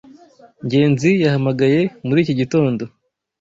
Ngenzi yahamagaye muri iki gitondo.